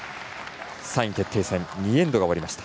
３位決定戦２エンドが終わりました。